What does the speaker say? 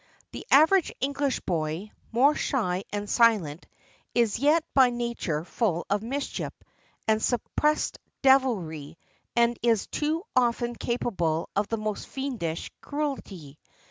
The average English boy, more shy and silent, is yet by nature full of mischief and suppressed devilry, and is too often capable of the most fiendish cruelty.